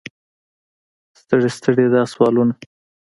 ستړي ستړي دا سوالونه.